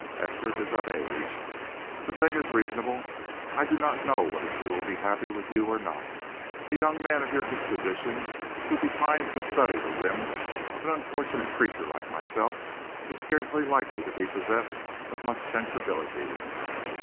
Esther is of age; the thing is reasonable. I do not know whether she will be happy with you or not. A young man of your disposition who declines to study the whims of an unfortunate creature like myself is scarcely likely to be possessed of much sensibility.